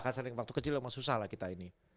karena sering waktu kecil memang susah lah kita ini